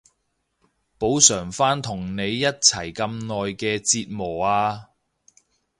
補償返同你一齊咁耐嘅折磨啊